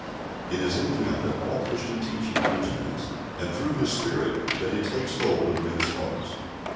" It is in Him that all Christian teaching originates, and through His Spirit that it takes hold of men's hearts.